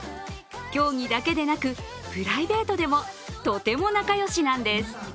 競技だけでなくプライベートでもとても仲良しなんです。